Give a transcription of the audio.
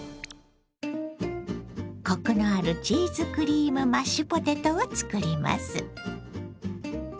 コクのあるチーズクリームマッシュポテトを作ります。